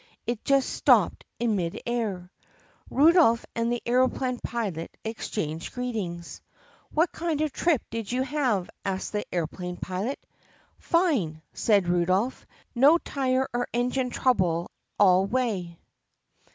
It just stopped in midair. Rudolph and the aeroplane pilot exchanged greetings. "What kind of a trip did you have*?" asked the aeroplane pilot. "Fine!" said Rudolph. "No tire or engine trouble all the way."